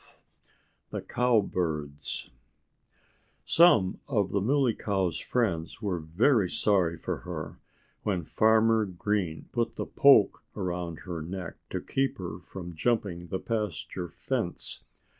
XII THE COWBIRDS Some of the Muley Cow's friends were very sorry for her, when Farmer Green put the poke around her neck to keep her from jumping the pasture fence.